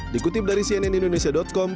dikutip dari cnnindonesia com